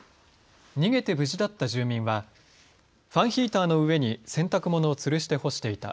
逃げて無事だった住民はファンヒーターの上に洗濯物をつるして干していた。